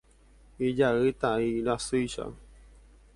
Ijay tãi rasýicha.